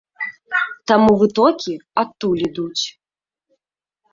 Таму вытокі адтуль ідуць.